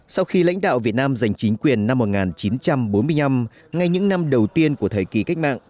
sau khi lãnh đạo việt nam giành chính quyền năm một nghìn chín trăm bốn mươi năm ngay những năm đầu tiên của thời kỳ cách mạng